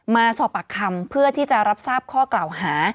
มาสอบปากคำเพื่อที่จะรับทราบข้อกล่าวหา